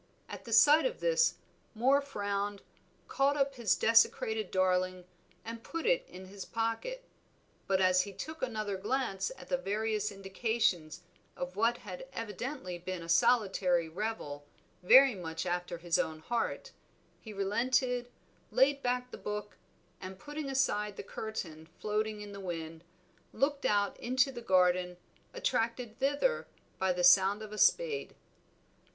At sight of this Moor frowned, caught up his desecrated darling and put it in his pocket. But as he took another glance at the various indications of what had evidently been a solitary revel very much after his own heart, he relented, laid back the book, and, putting aside the curtain floating in the wind, looked out into the garden, attracted thither by the sound of a spade.